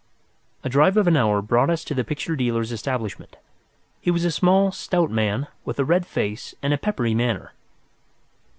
A drive of an hour brought us to the picture dealer's establishment. He was a small, stout man with a red face and a peppery manner.